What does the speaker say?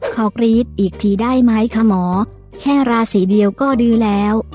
กรี๊ดอีกทีได้ไหมคะหมอแค่ราศีเดียวก็ดื้อแล้ว